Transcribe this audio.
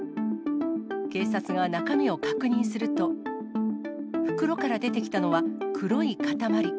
警察が中身を確認すると、袋から出てきたのは黒い固まり。